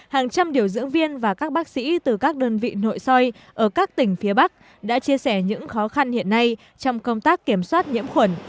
hàng trăm điều dưỡng viên và các bác sĩ từ các đơn vị nội soi ở các tỉnh phía bắc đã chia sẻ những khó khăn hiện nay trong công tác kiểm soát nhiễm khuẩn